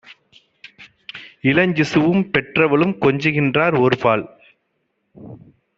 இளஞ்சிசுவும் பெற்றவளும் கொஞ்சுகின்றார் ஓர்பால்!